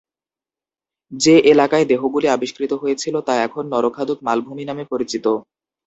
যে এলাকায় দেহগুলি আবিষ্কৃত হয়েছিল তা এখন নরখাদক মালভূমি নামে পরিচিত।